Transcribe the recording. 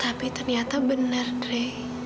tapi ternyata benar andre